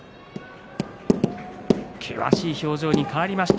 険しい表情に変わりました